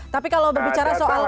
tapi kalau berbicara soal